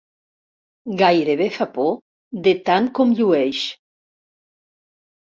Gairebé fa por, de tant com llueix.